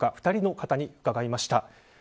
２人の方に伺いました。